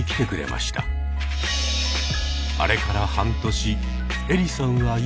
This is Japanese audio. あれから半年エリさんは今？